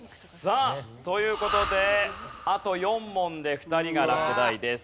さあという事であと４問で２人が落第です。